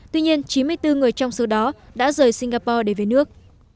tuy nhiên chín mươi bốn người trong số đó đã rời singapore để về nước